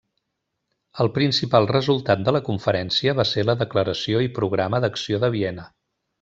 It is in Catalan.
El principal resultat de la conferència va ser la Declaració i programa d'acció de Viena.